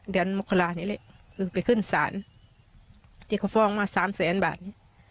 เดือนมกรานี้เลยคือไปขึ้นศาลที่เขาฟ้องมาสามแสนบาทนี่